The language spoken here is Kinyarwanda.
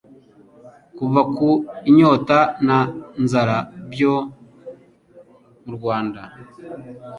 Kuva ku inyota na inzara byo mu rwanda